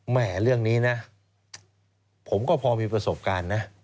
แม่เรื่องนี้นะผมก็พอมีประสบการณ์นะ